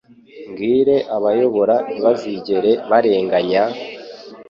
Mbwire abayobora ntibazigere barenganya,